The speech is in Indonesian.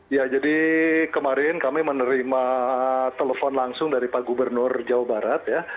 ya jadi kemarin kami menerima telepon langsung dari pak gubernur jawa barat ya